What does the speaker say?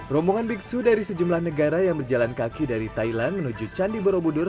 rombongan biksu dari sejumlah negara yang berjalan kaki dari thailand menuju candi borobudur